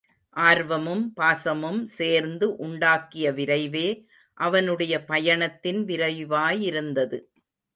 ஆர்வமும் பாசமும் சேர்ந்து உண்டாக்கிய விரைவே அவனுடைய பயணத்தின் விரைவாயிருந்தது.